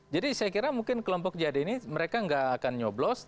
jadi saya kira mungkin kelompok jad ini mereka tidak akan nyoblos